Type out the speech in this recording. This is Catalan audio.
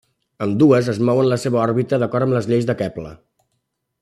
Ambdues es mouen en la seva òrbita d'acord amb les Lleis de Kepler.